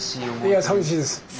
いやさみしいです。